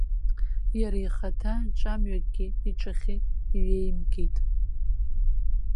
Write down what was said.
Иара ихаҭа ҿамҩакгьы иҿахьы иҩеимгеит.